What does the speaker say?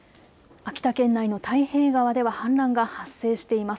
秋田県内の太平川では氾濫が発生しています。